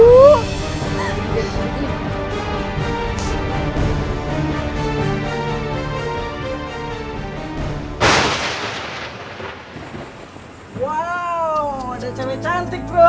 wow ada cawe cantik bro